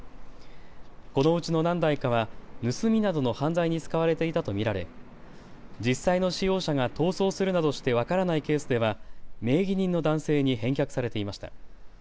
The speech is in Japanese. このうちの何台かは盗みなどの犯罪に使われていたと見られ実際の使用者が逃走するなどして分からないケースでは名義人の男性に返却されていました。